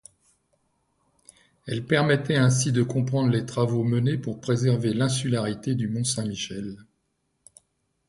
Elle permettait ainsi de comprendre les travaux menés pour préserver l’insularité du Mont Saint-Michel.